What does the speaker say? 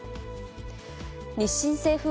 日清製粉